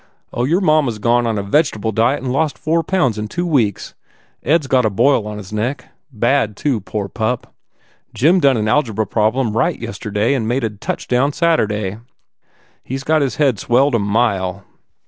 Oh, your mamma s gone on a vege table diet and lost four pounds in two weeks. Ed s got a boil on his neck bad, too, poor pup. Jim done an algebra problem right yesterday and made a touchdown Saturday. He s got his head swelled a mile."